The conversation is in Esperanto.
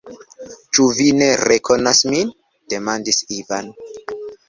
Ĉu vi ne rekonas min?demandis Ivan.